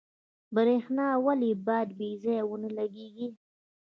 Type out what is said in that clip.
برښنا ولې باید بې ځایه ونه لګیږي؟